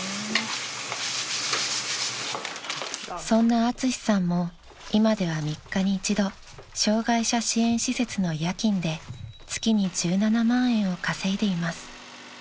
［そんなアツシさんも今では３日に１度障害者支援施設の夜勤で月に１７万円を稼いでいます］